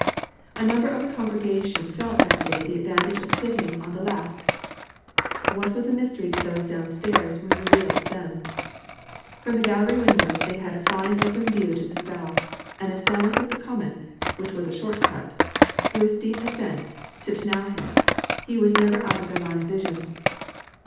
A number of the congregation felt that day the advantage of sitting in the laft. What was a mystery to those down stairs was revealed to them. From the gallery windows they had a fine open view to the south; and as Sam'l took the common, which was a short cut, though a steep ascent, to T'nowhead, he was never out of their line of vision.